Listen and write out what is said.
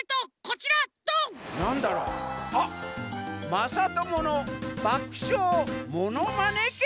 「まさとものばくしょうものまね券」？